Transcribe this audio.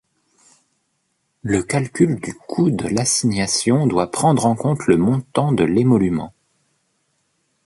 Le calcul du coût de l'assignation doit prendre en compte le montant de l'émolument.